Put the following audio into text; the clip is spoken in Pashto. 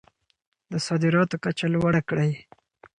د صادراتو کچه لوړه کړئ.